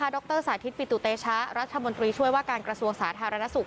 ดรสาธิตปิตุเตชะรัฐมนตรีช่วยว่าการกระทรวงสาธารณสุข